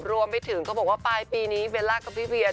รวมไปถึงเขาบอกว่าปลายปีนี้เบลล่ากับพี่เวีย